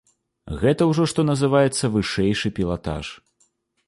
Гэта ўжо, што называецца, вышэйшы пілатаж.